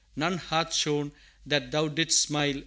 none hath shown That Thou didst smile!